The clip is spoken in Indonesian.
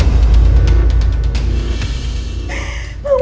tidak ada apa apa